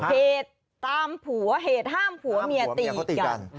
เหตุตามผัวเหตุห้ามผัวเมียตีกัน